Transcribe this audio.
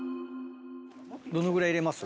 どのぐらい入れます？